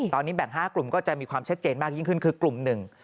ตอนนี้แบ่ง๕กลุ่มก็จะมีความชัดเจนมากยิ่งขึ้นคือกลุ่มหนึ่ง